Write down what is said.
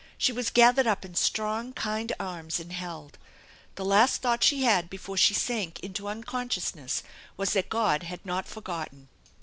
She was gathered up in strong, kind arms and held. The last thought she had before she sank into unconsciousness was that God had not for gotten.